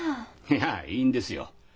いやいいんですよ。